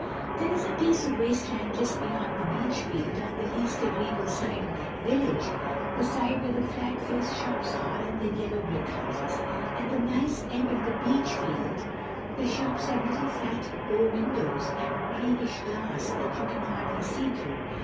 There is a piece of wasteland just beyond Beachfield on the least agreeable side of that village—the side where the flat faced shops are and the yellow brick houses. At the nice end of Beachfield the shops have little fat bow windows with greenish glass that you can hardly see through.